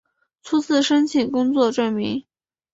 初次申请工作证明